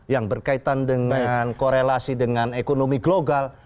yang berkaitan dengan korelasi dengan ekonomi global